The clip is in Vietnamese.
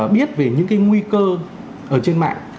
biết về những cái nguy cơ ở trên mạng